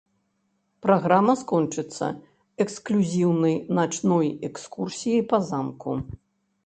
Праграма скончыцца эксклюзіўнай начной экскурсіяй па замку.